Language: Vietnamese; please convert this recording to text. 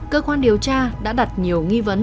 cơ quan điều tra đã đặt nhiều nghi vấn